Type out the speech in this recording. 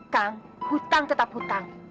kang hutang tetap hutang